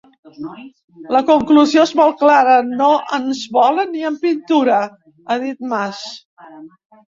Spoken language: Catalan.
La conclusió és molt clara: no ens volen ni en pintura –ha dit Mas–.